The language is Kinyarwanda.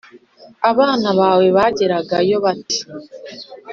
Abana bawe bageragayo bate